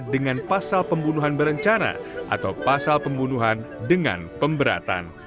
dengan pasal pembunuhan berencana atau pasal pembunuhan dengan pemberatan